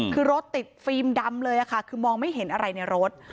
คือรถติดฟิล์มดำเลยค่ะคือมองไม่เห็นอะไรในรถ